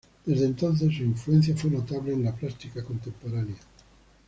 Desde entonces su influencia fue notable en la plástica contemporánea.